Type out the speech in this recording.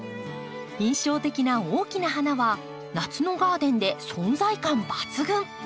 印象的な大きな花は夏のガーデンで存在感抜群。